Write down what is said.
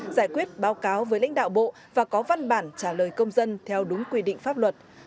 giải quyết báo cáo với lãnh đạo bộ và có văn bản trả lời công dân theo đúng quy định pháp luật